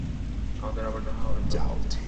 আমাদের আবার দেখা হবে তো?